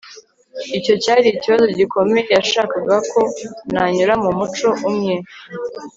icyo cyari ikibazo gikomeye. yashakaga ko nanyura mu muco umwe